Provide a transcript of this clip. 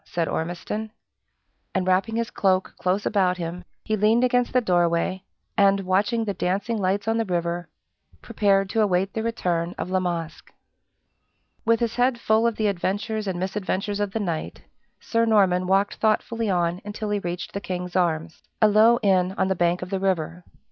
said Ormiston. And wrapping his cloak close about him, he leaned against the doorway, and, watching the dancing lights on the river, prepared to await the return of La Masque. With his head full of the adventures and misadventures of the night, Sir Norman walked thoughtfully on until he reached the King's Arms a low inn on the bank of the river.